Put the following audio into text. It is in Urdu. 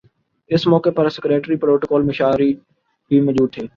اس موقع پر سیکریٹری پروٹوکول مشاری بھی موجود تھے